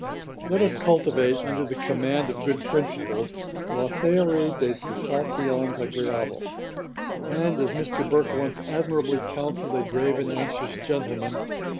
Let us cultivate, under the command of good principles, 'la théorie des sensations agréables;' and, as Mr. Burke once admirably counselled a grave and anxious gentleman, 'live pleasant.'